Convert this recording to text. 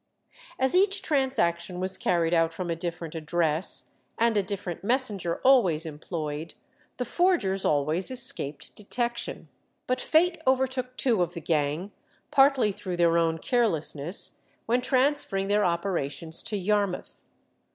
As each transaction was carried out from a different address, and a different messenger always employed, the forgers always escaped detection. But fate overtook two of the gang, partly through their own carelessness, when transferring their operations to Yarmouth.